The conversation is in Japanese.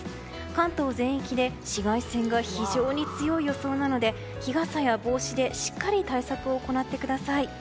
関東全域で紫外線が非常に強い予想なので日傘や帽子でしっかり対策を行ってください。